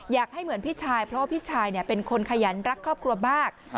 อยากให้เหมือนพี่ชายเพราะว่าพี่ชายเป็นคนขยันรักครอบครัวมาก